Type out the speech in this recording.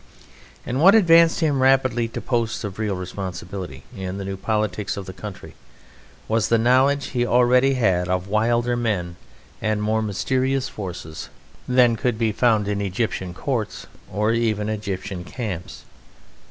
And what advanced him rapidly to posts of real responsibility in the new politics of the country was the knowledge he already had of wilder men and more mysterious forces than could be found in Egyptian courts or even Egyptian camps.